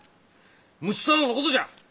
睦太郎のことじゃ！